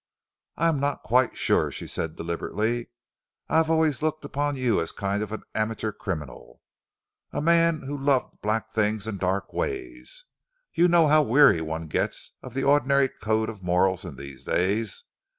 "I am not quite sure," she said deliberately. "I have always looked upon you as a kind of amateur criminal, a man who loved black things and dark ways. You know how weary one gets of the ordinary code of morals in these days.